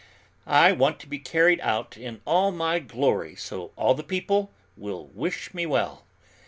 I want to be carried out in all my glory so all the people will wish me well."